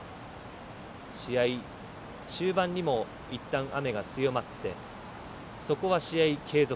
試合中盤にもいったん雨が強まってそこは試合継続。